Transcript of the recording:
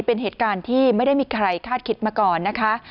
เป็นเหตุการณ์ที่ไม่ได้มีใครคาดคิดมาก่อนนะคะ